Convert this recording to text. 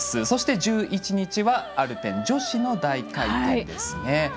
そして１１日はアルペン女子大回転ですね。